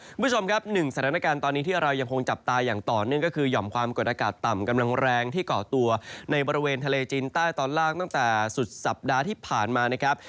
คุณผู้ชมครับหนึ่งสถานการณ์ตอนนี้ที่เรายังคงจับตาอย่างต่อเนื่องก็คือหย่อมความกดอากาศต่ำกำลังแรงที่เกาะตัวในบริเวณทะเลจีนใต้ตอนล่างตั้งแต่สุดสัปดาห์ที่ผ่านมานะครับ